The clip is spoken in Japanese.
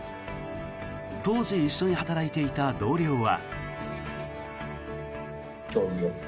当時、一緒に働いていた同僚は。